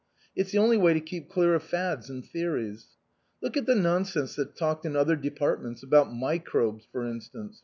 It's the only way to keep clear of fads and theories. Look at the nonsense that's talked in other departments, about microbes for instance.